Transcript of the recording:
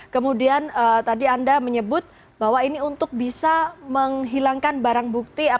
kemudian tadi anda menyebut bahwa ini untuk bisa menghilangkan barang bukti